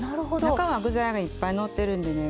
中は具材がいっぱいのってるんでね